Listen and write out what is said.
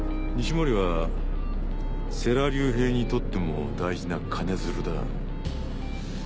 西森は世良隆平にとっても大事な金づるだ。